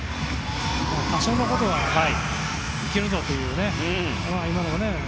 多少のことはいけるぞ！というね。